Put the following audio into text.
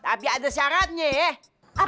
tapi ada syaratnya ya